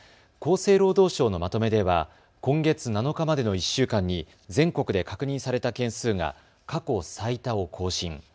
厚生労働省のまとめでは今月７日までの１週間に全国で確認された件数が過去最多を更新。